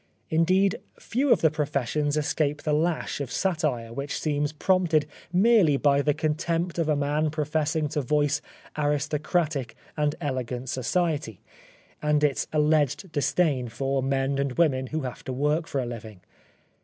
Indeed, few of the professions escape the lash of satire which seems prompted merely by the contempt of a man professing to voice aristocratic and elegant society, and its alleged disdain for men and women who have to work for a living.